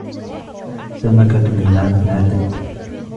سمكة ميناد ماتت